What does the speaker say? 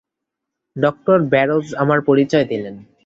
Doctor Barrows আমার পরিচয় দিলেন।